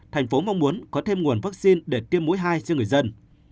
tp hcm mong muốn có thêm nguồn vaccine để tiêm mũi hai cho người dân